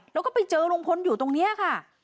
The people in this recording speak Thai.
แล้วก็ไปเจอลุงพลอยู่ตรงนี้ค่ะ